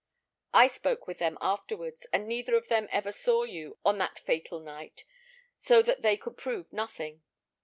I spoke with them afterwards, and neither of them ever saw you on that fatal night, so that they could prove nothing.